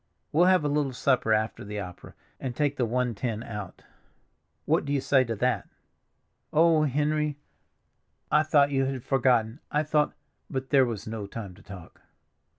We'll have a little supper after the opera, and take the one ten out. What do you say to that?" "Oh, Henry! I thought you had forgotten, I thought—" But there was no time to talk.